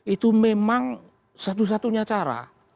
itu memang satu satunya cara